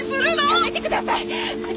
やめてください！